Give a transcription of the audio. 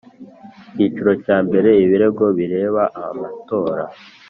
Icyiciro cya mbere Ibirego bireba amatora